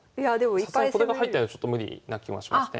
さすがにこれが入ってないとちょっと無理な気はしますね。